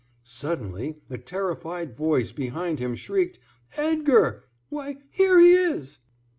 Suddenly a terrified voice behind him shrieked: "Edgar! Why, here he is!"